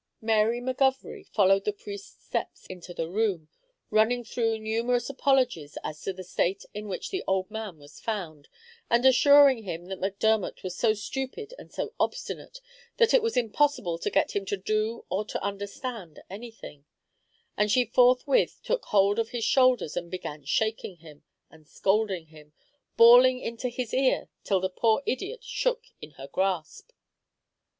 Mary McGovery followed the priest's steps into the room, running through numerous apologies as to the state in which the old man was found, and assuring him that Macdermot was so stupid and so obstinate that it was impossible to get him to do or to understand anything; and she forthwith took hold of his shoulders, and began shaking him, and scolding him bawling into his ear, till the poor idiot shook in her grasp.